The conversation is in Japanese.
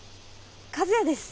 和也です。